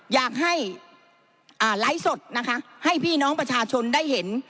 อยากให้ไลฟ์สดนะคะให้พี่น้องประชาชนได้เห็น